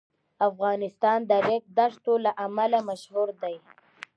افغانستان د ریګ دښتو له امله مشهور دی.